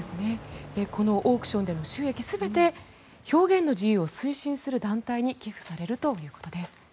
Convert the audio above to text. このオークションでの収益全て表現の自由を推進する団体に寄付されるということです。